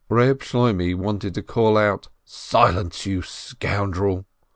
Eeb Shloimeh wanted to call out, "Silence, you scoun drel!"